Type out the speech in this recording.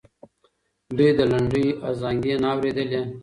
دوی د لنډۍ ازانګې نه اورېدلې.